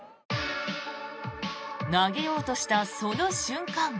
投げようとしたその瞬間